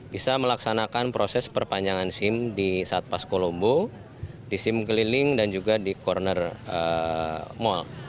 bisa melaksanakan proses perpanjangan sim di satpas kolombo di sim keliling dan juga di corner mall